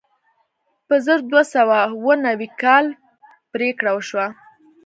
په زر دوه سوه اوه نوي کال پرېکړه وشوه.